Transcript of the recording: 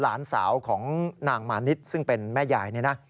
หลานสาวของนางมาณิชซึ่งเป็นแม่ยาย